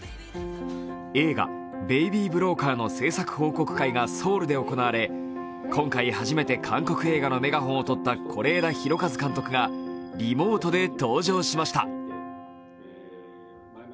映画「ベイビー・ブローカー」の製作報告会がソウルで行われ今回、初めて韓国映画のメガホンをとった是枝裕和監督がリモートで登場しました。